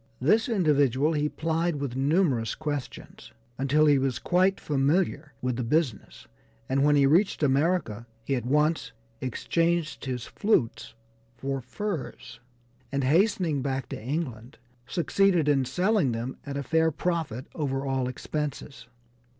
This individual he plied with numerous questions, until he was quite familiar with the business, and when he reached America he at once exchanged his flutes for furs, and hastening back to England succeeded in selling them at a fair profit over all expenses.